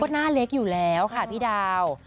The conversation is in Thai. หน้าเล็กอยู่แล้วค่ะพี่ดาว